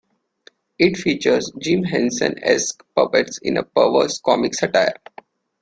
It features Jim Henson-esque puppets in a perverse comic satire.